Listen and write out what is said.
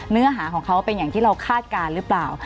เนื้อหาของเขาเป็นอย่างที่เราคาดการณ์หรือเปล่า